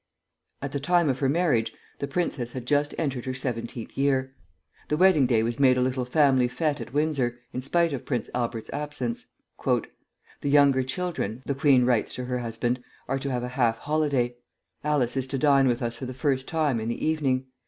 At the time of her marriage the princess had just entered her seventeenth year. The wedding day was made a little family fête at Windsor, in spite of Prince Albert's absence. "The younger children," the queen writes to her husband, "are to have a half holiday. Alice is to dine with us for the first time, in the evening.